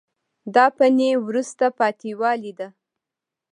دا فني وروسته پاتې والی ده.